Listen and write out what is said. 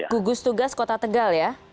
gugus tugas kota tegal ya